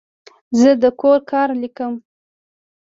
زه د کور کار لیکم.